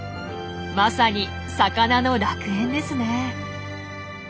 まさに魚の楽園ですね。